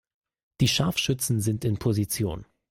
Die Scharfschützen sind in Position.